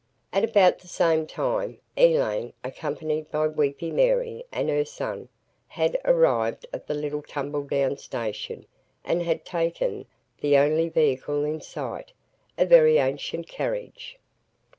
At about the same time, Elaine, accompanied by "Weepy Mary" and her "son," had arrived at the little tumble down station and had taken the only vehicle in sight, a very ancient carriage.